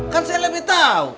kan saya lebih tahu